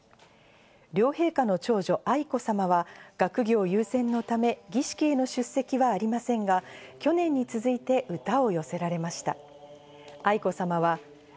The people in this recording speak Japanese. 両陛下の長女・愛子さまは学業優先のため儀式への出席はありませんが、去年に続いて歌を寄せられました。